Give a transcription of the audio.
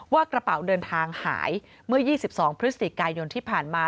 กระเป๋าเดินทางหายเมื่อ๒๒พฤศจิกายนที่ผ่านมา